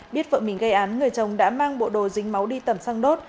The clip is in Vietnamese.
biết vợ mình gây án người chồng đã mang bộ đồ dính máu đi tẩm xăng đốt